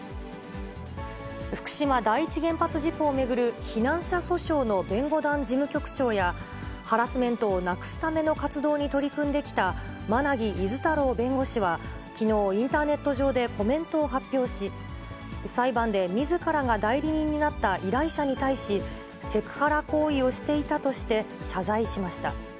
福島第一原発事故を巡る避難者訴訟の弁護団事務局長や、ハラスメントをなくすための活動に取り組んできた馬奈木厳太郎弁護士はきのう、インターネット上でコメントを発表し、裁判でみずからが代理人になった依頼者に対し、セクハラ行為をしていたとして、謝罪しました。